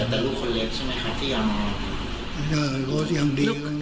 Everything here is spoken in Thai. เห็นแต่ลูกคนเล็กใช่ไหมคะที่ยังรอ